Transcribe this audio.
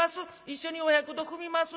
一緒にお百度踏みます』